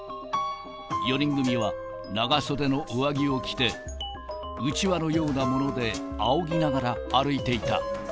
４人組は長袖の上着を着て、うちわのようなものであおぎながら歩いていた。